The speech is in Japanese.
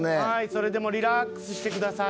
それでもうリラックスしてください。